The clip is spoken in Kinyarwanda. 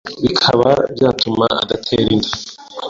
bikaba byatuma adatera inda